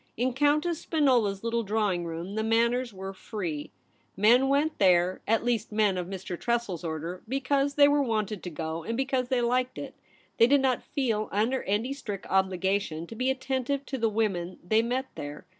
In Countess Spinola's little drawing room the manners were free. Men went there — at least, men of Mr. Tres sel's order — because they were wanted to go, and because they liked it. They did not feel under any strict obligation to be attentive to the women they met there.